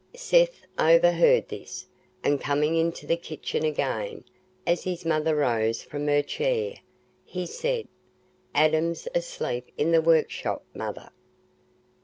Seth overheard this, and coming into the kitchen again, as his mother rose from her chair, he said, "Adam's asleep in the workshop, mother.